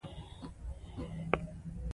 زمرد د افغانستان په هره برخه کې موندل کېږي.